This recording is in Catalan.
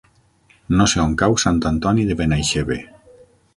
No sé on cau Sant Antoni de Benaixeve.